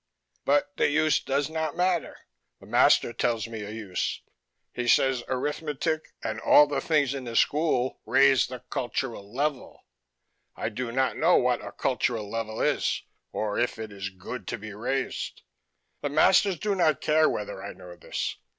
But the use does not matter. The master tells me a use. He says arithmetic and all of the things in the school raise the cultural level. I do not know what a cultural level is or if it is good to be raised. The masters do not care whether I know this.